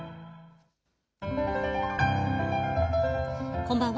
こんばんは。